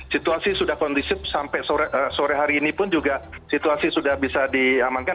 situasi sudah kondisif sampai sore hari ini pun juga situasi sudah bisa diamankan